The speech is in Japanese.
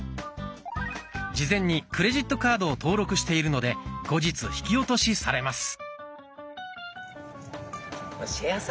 事前にクレジットカードを登録しているので後日引き落としされます。